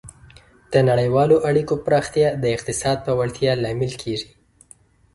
د نړیوالو اړیکو پراختیا د اقتصاد پیاوړتیا لامل کیږي.